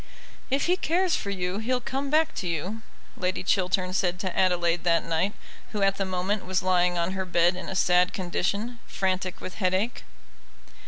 "If he cares for you he'll come back to you," Lady Chiltern said to Adelaide that night, who at the moment was lying on her bed in a sad condition, frantic with headache.